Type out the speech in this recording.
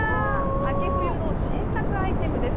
秋冬の新作アイテムです。